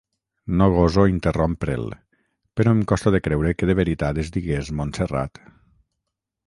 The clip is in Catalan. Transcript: No goso interrompre'l, però em costa de creure que de veritat es digués Montserrat.